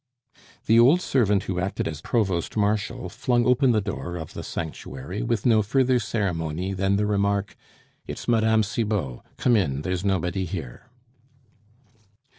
The old servant who acted as provost marshal flung open the door of the sanctuary with no further ceremony than the remark, "It's Mme. Cibot. Come in, there's nobody here."